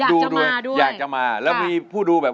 สวัสดีครับคุณผู้ชมทุกท่านที่กำลังรับชมไทยรัฐทีวีช่อง๓๒อยู่นะครับ